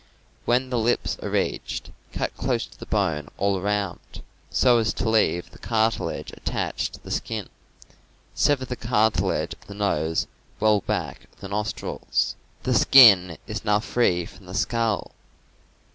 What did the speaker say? When the lips are reached, cut close to the bone all around, so as to leave the cartilage attached to the skin. Sever the cartilage of the nose well back of the nostrils. The skin is now free from the skull.